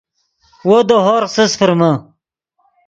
وو دے ہورغ سست